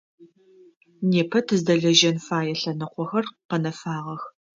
Непэ тыздэлэжьэн фэе лъэныкъохэр къэнэфагъэх.